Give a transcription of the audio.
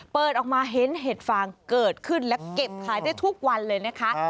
เปิดออกมาเห็นเห็ดฟางเกิดขึ้นและเก็บขายได้ทุกวันเลยนะคะ